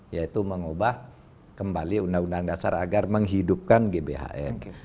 yaitu mengubah kembali undang undang dasar agar menghidupkan gbhn